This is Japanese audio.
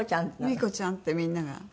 「ミーコちゃん」ってみんなが。